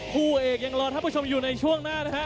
คู่เอกยังรอท่านผู้ชมอยู่ในช่วงหน้านะฮะ